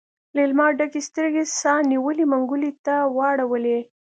ليلما ډکې سترګې سا نيولي منګلي ته واړولې.